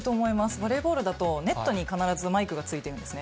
バレーボールだとネットに必ずマイクがついてるんですね。